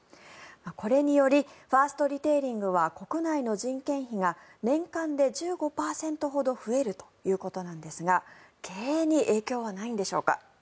これによりファーストリテイリングは国内の人件費が年間で１５％ほど増えるということなんですが経営に影響はないんでしょうか。